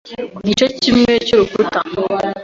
Ku gice kimwe cy’urukuta